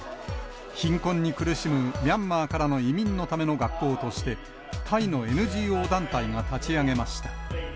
貧困に苦しむミャンマーからの移民のための学校として、タイのＮＧＯ団体が立ち上げました。